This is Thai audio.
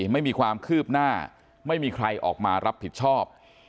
ไม่มีความคืบหน้าไม่มีใครออกมารับผิดชอบ